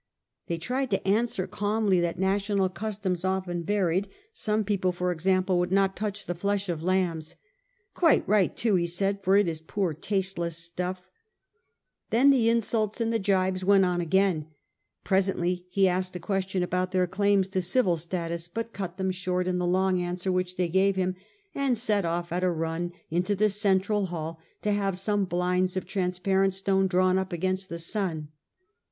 ' They tried to answer calmly that national customs often varied: some people, for example, would not touch the flesh of lambs. ' Quite right, too,' be said, * for it is poor tasteless stuff.' Then the insults A.D. 37 41. 78 The Earlier Empire. and the gibes went on again. Presently he asked a ques tion about their claims to civil status, but cut them short in the long answer which they gave him, and set off at a run into the central hall, to have some blinds of transpa rent stone drawn up against the sun.